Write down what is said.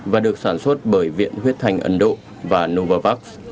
và được sản xuất bởi viện huyết thành ấn độ và novavax